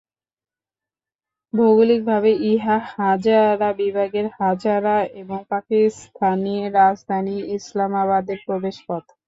ভৌগলিকভাবে, ইহা হাজারা বিভাগের হাজারা এবং পাকিস্তানি রাজধানী ইসলামাবাদের প্রবেশপথ।